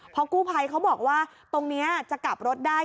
พอกู้ภัยเขาบอกว่าตรงนี้จะกลับรถได้